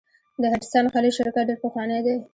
د هډسن خلیج شرکت ډیر پخوانی دی.